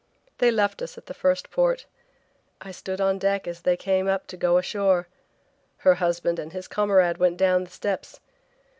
They left us at the first port. I stood on deck as they came up to go ashore. Her husband and his comrade went down the steps.